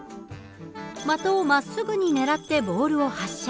的をまっすぐにねらってボールを発射。